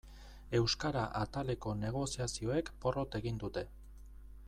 Euskara ataleko negoziazioek porrot egin dute.